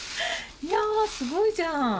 いやすごいじゃん。